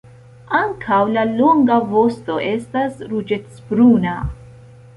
Ankaŭ la longa vosto estas ruĝecbruna.